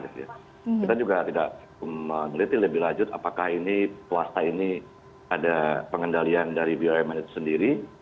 kita juga tidak meneliti lebih lanjut apakah ini swasta ini ada pengendalian dari bumn itu sendiri